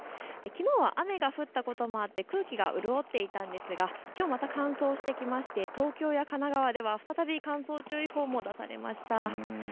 きのうは雨が降ったことがあって空気が潤っていたんですが、きょうまた乾燥してきまして東京や神奈川では再び乾燥注意報も出されました。